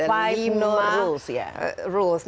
lima rules ya